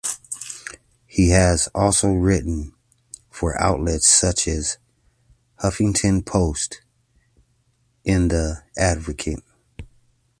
He has also written for outlets such as the "Huffington Post" and the "Advocate".